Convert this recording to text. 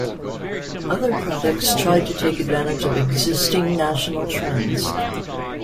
Other products tried to take advantage of existing national trends.